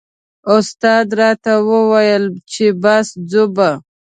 استاد راته و ویل چې بس ځو به.